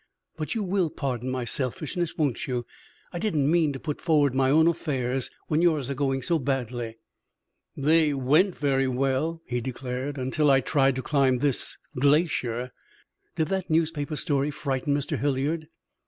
But you will pardon my selfishness, won't you? I didn't mean to put forward my own affairs when yours are going so badly." "They went very well," he declared, "until I tried to climb this glacier." "Did that newspaper story frighten Mr. Hilliard?"